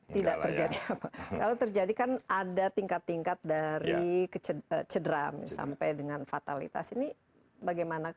tidak terjadi apa kalau terjadi kan ada tingkat tingkat dari cederaan sampai dengan fatalitas ini bagaimana